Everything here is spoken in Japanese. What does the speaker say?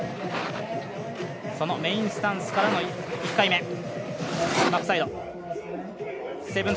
そのメインスタンスからの１回目。